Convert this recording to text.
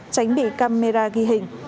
tránh bị camera ghi hình